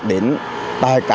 để tài cả